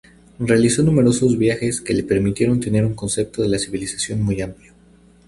Realizó numerosos viajes que le permitieron tener un concepto de la civilización muy amplio.